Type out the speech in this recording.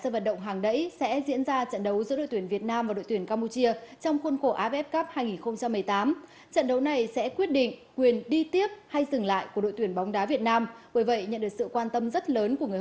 và để hạn chế đến mức tối đa khả năng pháo sáng lọt vào bên trong